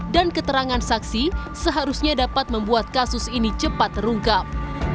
dan keterangan saksi seharusnya dapat membuat kasus ini cepat terungkap